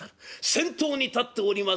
先頭に立っております